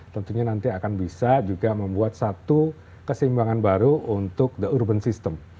tentunya nanti akan bisa juga membuat satu keseimbangan baru untuk the urban system